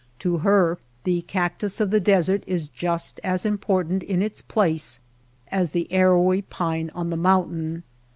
To her the cac tus of the desert is just as important in its place as the arrowy pine on the mountain.